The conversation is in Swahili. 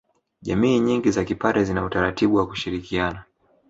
Jamii nyingi za kipare zina utaratibu wa kushirikiana